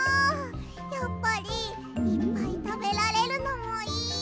やっぱりいっぱいたべられるのもいい！